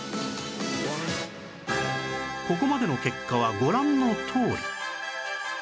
ここまでの結果はご覧のとおり